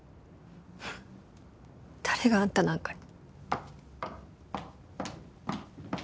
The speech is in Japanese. フ誰があんたなんかに。